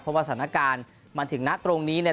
เพราะว่าสถานการณ์มาถึงนะตรงนี้เนี่ย